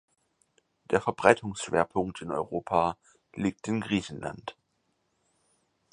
Der Verbreitungsschwerpunkt in Europa liegt in Griechenland.